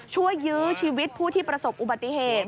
ยื้อชีวิตผู้ที่ประสบอุบัติเหตุ